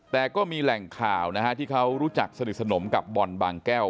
แต่ก็มีแหล่งข่าวที่เขารู้ไศพิสดีสนมกับบอนบางแก้ว